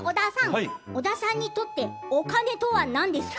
織田さんにとってお金とは何ですか？